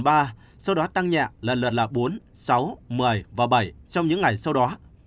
các bệnh nhân nặng nhẹ lần lượt là bốn sáu một mươi và bảy trong những ngày sau đó